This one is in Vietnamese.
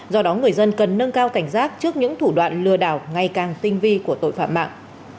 do đó người dân cần nâng cao cảnh giác trước những thủ đoạn lừa đảo ngày càng tinh vi của tội phạm mạng